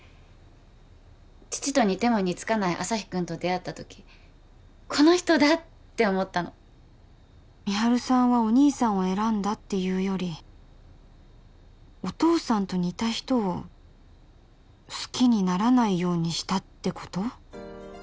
父と似ても似つかない旭君と出会ったときこの人だって思ったの美晴さんはお義兄さんを選んだっていうよりお父さんと似た人を好きにならないようにしたってこと？